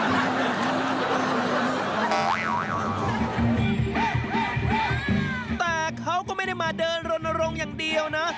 แต่เขาก็ไม่ได้มาเดินรณรงค์อย่างเดียวนะ